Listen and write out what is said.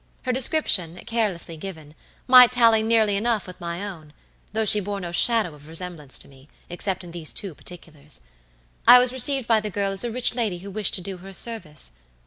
Her description, carelessly given, might tally nearly enough with my own, though she bore no shadow of resemblance to me, except in these two particulars. I was received by the girl as a rich lady who wished to do her a service.